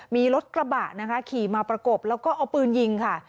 มีรถกระบะนะคะขี่มาประกบแล้วก็เอาปืนยิงค่ะ